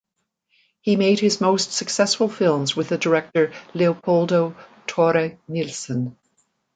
He made his most successful films with the director Leopoldo Torre Nilsson.